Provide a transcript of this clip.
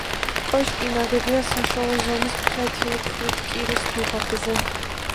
კოშკი ნაგებია საშუალო ზომის ფლეთილი ქვით კირის დუღაბზე.